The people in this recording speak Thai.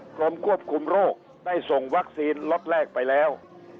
กรมควบคุมโรคได้ส่งวัคซีนล็อตแรกไปแล้ว